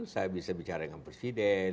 saya bisa bicara dengan presiden